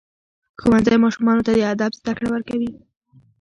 ښوونځی ماشومانو ته د ادب زده کړه ورکوي.